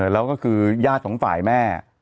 แล้วก็คือญาติของฝ่ายแม่